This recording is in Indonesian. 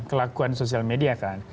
kelakuan sosial media kan